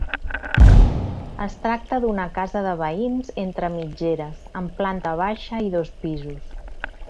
Es tracta d'una casa de veïns entre mitgeres amb planta baixa i dos pisos.